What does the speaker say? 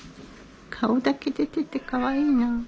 顔だけ出ててかわいいな。